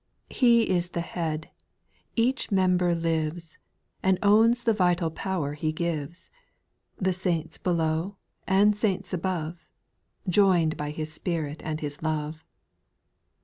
2. He is the Head — each member lives, And owns the vital power He gives. The saints below, and saints above, Joined by His Spirit and His love.